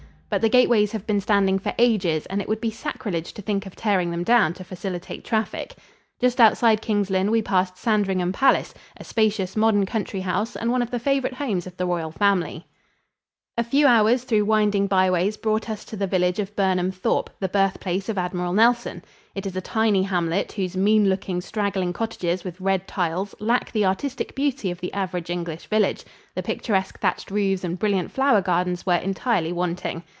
But the gateways have been standing for ages and it would be sacrilege to think of tearing them down to facilitate traffic. Just outside King's Lynn we passed Sandringham Palace, a spacious modern country house and one of the favorite homes of the Royal Family. [Illustration: ST. BOTOLPH'S CHURCH FROM THE RIVER, BOSTON.] A few hours through winding byways brought us to the village of Burnham Thorpe, the birthplace of Admiral Nelson. It is a tiny hamlet, whose mean looking, straggling cottages with red tiles lack the artistic beauty of the average English village the picturesque, thatched roofs and brilliant flower gardens were entirely wanting.